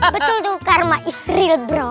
betul tuh karma is real bro